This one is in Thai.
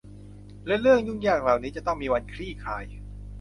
และเรื่องยุ่งยากเหล่านี้จะต้องมีวันคลี่คลาย